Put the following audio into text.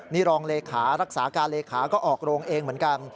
นี่รองเลขารักษาการเลขาก็ออกโรงเองเหมือนกัน